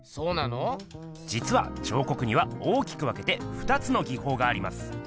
じつは彫刻には大きく分けてふたつの技法があります。